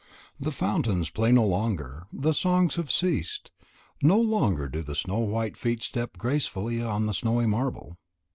The fountains play no longer; the songs have ceased; no longer do snow white feet step gracefully on the snowy marble.